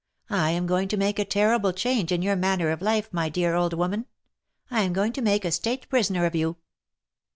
I am going to make a terrible change in your manner of life, my dear old woman. I am going to make a state prisoner of you.